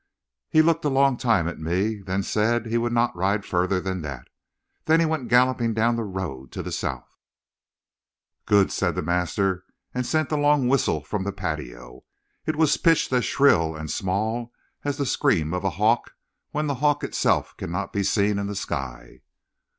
"He looked a long time at me, then said he would not ride farther than that. Then he went galloping down the road to the south." "Good!" said the master, and sent a long whistle from the patio; it was pitched as shrill and small as the scream of a hawk when the hawk itself cannot be seen in the sky.